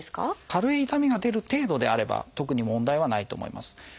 軽い痛みが出る程度であれば特に問題はないと思います。